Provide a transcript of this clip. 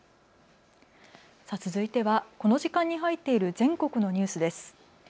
続いてはこの時間に入っている全国のニュースです。